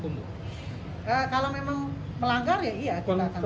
kalau memang melanggar ya iya kita akan